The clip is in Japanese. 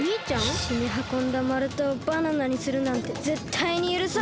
ひっしにはこんだまるたをバナナにするなんてぜったいにゆるさん！